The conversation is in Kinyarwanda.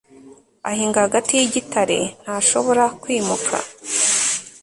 Ahinga hagati yigitare ntashobora kwimuka